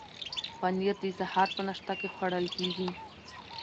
پنیر د سهار په ناشته کې خوړل کیږي.